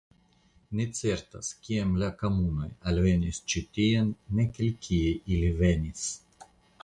Ne certas kiam la Kamunoj alvenis ĉi tien nek el kie ili venis.